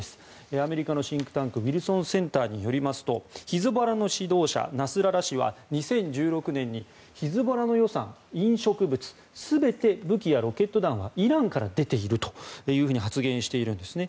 アメリカのシンクタンクウィルソンセンターによりますとヒズボラの指導者ナスララ師は２０１６年にヒズボラの予算、飲食物全て武器やロケット弾はイランから出ているというふうに発言しているんですね。